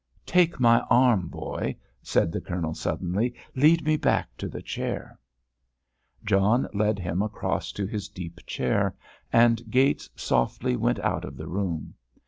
"Take my arm, boy," said the Colonel, suddenly; "lead me back to the chair." John led him across to his deep chair, and Gates softly went out of the room.